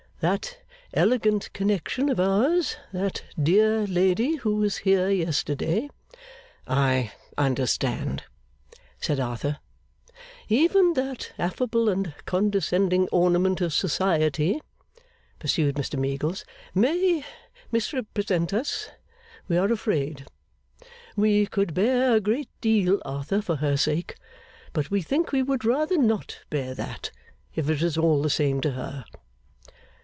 That elegant connection of ours that dear lady who was here yesterday ' 'I understand,' said Arthur. 'Even that affable and condescending ornament of society,' pursued Mr Meagles, 'may misrepresent us, we are afraid. We could bear a great deal, Arthur, for her sake; but we think we would rather not bear that, if it was all the same to her.